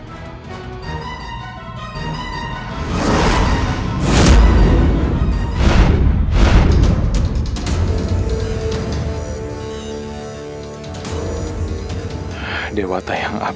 ku tersayang desses hati matamu